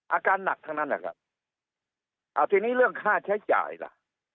อาการหนักทั้งนั้นแหละครับเอาทีนี้เรื่องค่าใช้จ่ายล่ะ